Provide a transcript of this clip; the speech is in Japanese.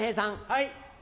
はい。